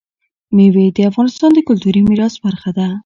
مېوې د افغانستان د کلتوري میراث برخه ده.